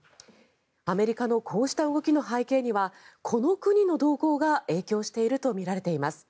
アメリカのこうした動きの背景にはこの国の動向が影響しているとみられています。